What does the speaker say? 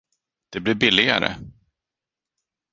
Det blir billigare.